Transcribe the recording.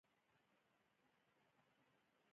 سیاره د لمر رڼا منعکسوي.